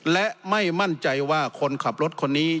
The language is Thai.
และไม่มั่นใจว่าคนขับรถคนนี้